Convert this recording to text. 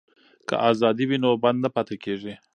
که ازادي وي نو بند نه پاتې کیږي.